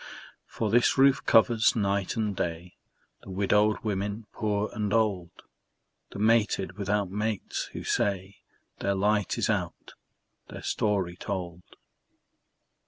For this roof covers, night and day, The widowed women poor and old, The mated without mates, who say Their light is out, their story told.